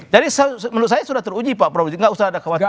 jadi menurut saya sudah teruji pak prabowo enggak usah ada khawatir